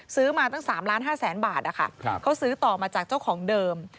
ซื้อมาตั้ง๓ล้าน๕แสนบาทเขาซื้อต่อมาจากเจ้าของเดิม